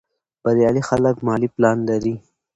بریالي خلک مالي پلان لري.